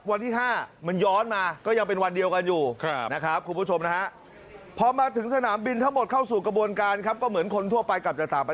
วันที่๕มันย้อนมาก็ยังเป็นวันเดียวกันอยู่นะครับคุณผู้ชมนะฮะ